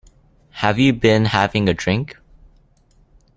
Have you been having a drink?